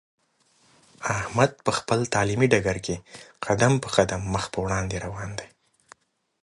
احمد په خپل تعلیمي ډګر کې قدم په قدم مخ په وړاندې روان دی.